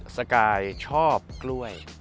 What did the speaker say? สกายชอบกล้วย